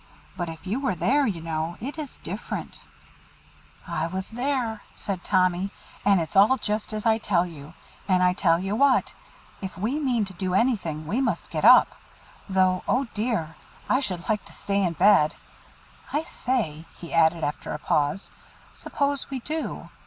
But if you were there, you know, it is different " "I was there," said Tommy, "and it's all just as I tell you: and I tell you what, if we mean to do anything we must get up: though, oh dear! I should like to stay in bed. I say," he added, after a pause, "suppose we do.